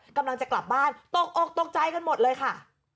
กำลังจะกลับบ้านตกอกตกใจกันหมดเลยค่ะ